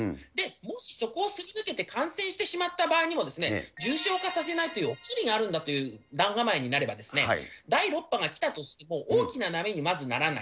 もしそこをすり抜けて、感染してしまった場合にも、重症化させないというお薬があるんだという段構えになれば、第６波が来たとしても大きな波にまずならない。